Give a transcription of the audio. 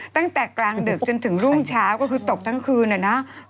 ตั้งแต่กลางดึกจนถึงรุ่งเช้าก็คือตกทั้งคืนนะ